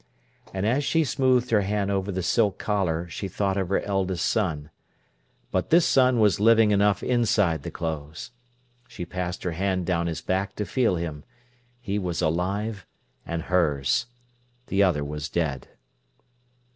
And as she smoothed her hand over the silk collar she thought of her eldest son. But this son was living enough inside the clothes. She passed her hand down his back to feel him. He was alive and hers. The other was dead.